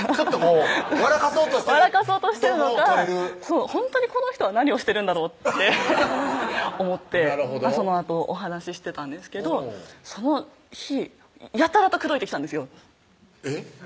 そうとしてるとも取れるほんとにこの人は何をしてるんだろうって思ってそのあとお話ししてたんですけどその日やたらと口説いてきたんですよえっ？